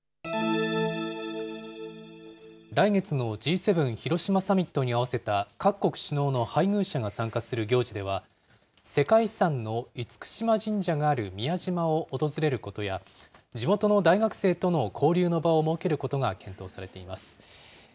来月のＧ７広島サミットにあわせた各国首脳の配偶者が参加する行事では、世界遺産の厳島神社がある宮島を訪れることや、地元の大学生との交流の場を設けることが検討されています。